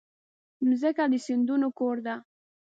مځکه د سیندونو کور ده.